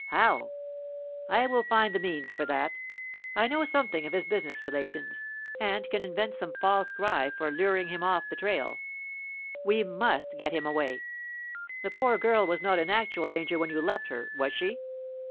"How?" "I will find the means for that. I know something of his business relations, and can invent some false cry for luring him off the trail. We must get him away. The poor girl was not in actual danger when you left her, was she?"